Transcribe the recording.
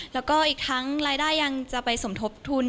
แล้วก็อีกทั้งรายได้ยังจะไปสมทบทุน